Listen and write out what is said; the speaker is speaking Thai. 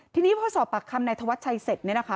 ทีนี้พอสอบปากคำนายธวัชชัยเสร็จเนี่ยนะคะ